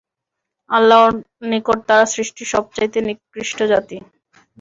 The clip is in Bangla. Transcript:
আল্লাহর নিকট তারা সৃষ্টির সব চাইতে নিকৃষ্ট জাতি।